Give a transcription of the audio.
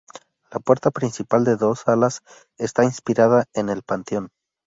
La puerta principal de dos alas está inspirada en el Panteón.